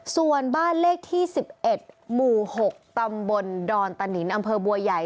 ส่วนบ้านเลขที่๑๑หมู่๖ตำบลดอนตะนินอำเภอบัวใหญ่